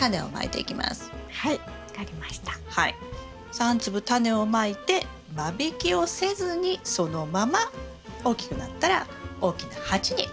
３粒タネをまいて間引きをせずにそのまま大きくなったら大きな鉢に植えます。